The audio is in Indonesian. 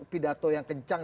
pidato yang kencang